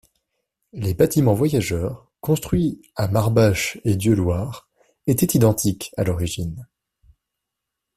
Les bâtiments voyageurs construits à Marbache et Dieulouard étaient identiques à l'origine.